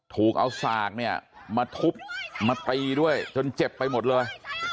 ถูกเอาสากเนี่ยมาทุบมาตีด้วยจนเจ็บไปหมดเลย